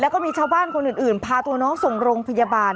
แล้วก็มีชาวบ้านคนอื่นพาตัวน้องส่งโรงพยาบาล